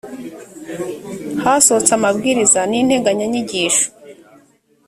hasohotse amabwiriza n’integanyanyigisho